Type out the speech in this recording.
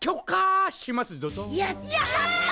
やった！